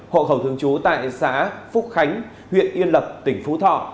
hộ khẩu thường trú tại xã phúc khánh huyện yên lập tỉnh phú thọ